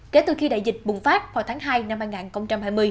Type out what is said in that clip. kể từ khi đại dịch bùng phát vào tháng hai năm hai nghìn hai mươi